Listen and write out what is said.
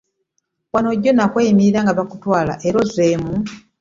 Wano jjo nze nakweyimirira nga bakutwala era ozzeemu.